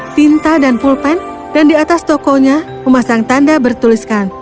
dia menghabiskan sisa uangnya di atas kertas tinta dan pulpen dan di atas tokonya pemasang tanda bertuliskan